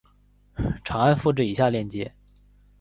长按复制以下链接